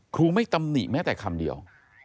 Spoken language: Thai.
ครูไม่ตำหนิแม้แต่คำเดียว